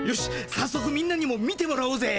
さっそくみんなにも見てもらおうぜ。